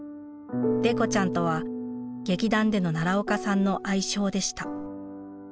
デコちゃんとは劇団での奈良岡さんの愛称でした。